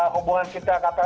hubungan kita katanya